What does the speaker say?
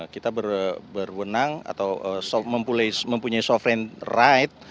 kita berwenang atau mempunyai sovereign right